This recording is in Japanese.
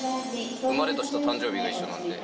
生まれ年と誕生日が一緒なんで。